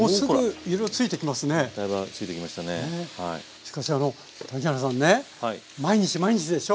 しかしあの谷原さんね毎日毎日でしょ？